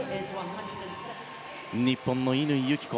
日本の乾友紀子